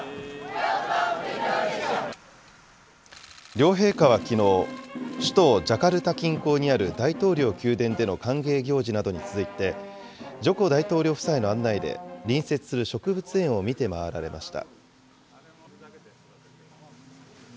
両陛下はきのう、首都ジャカルタ近郊にある大統領宮殿での歓迎行事などに続いて、ジョコ大統領夫妻の案内で、隣接する植物園を見て回られました。